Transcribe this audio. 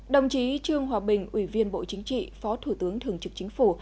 đồng chí trương hòa bình ủy viên bộ chính trị phó thủ tướng thường trực chính phủ